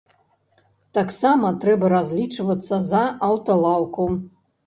Таксама трэба разлічвацца за аўталаўку.